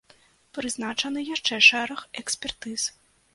Прызначаны яшчэ шэраг экспертыз.